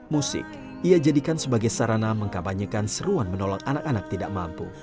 musik ia jadikan sebagai sarana mengkabanyakan seruan menolong anak anak tidak mampu